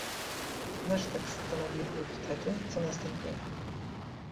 Nasz tekst stanowiłby wtedy, co następuje